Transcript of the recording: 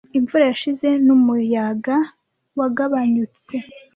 imvura Yashize n'umuyaga wagabanyutse